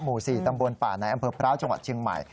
หมู่๔ตำบลป่าในอำเภอพร้าวจังหวัดเชียงใหม่